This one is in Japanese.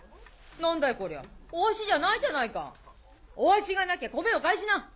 何だいこりゃおアシじゃないじゃないかおアシがなきゃ米を返しな！